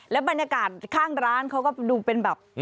บรรยากาศข้างร้านเขาก็ดูเป็นแบบ